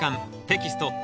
テキスト８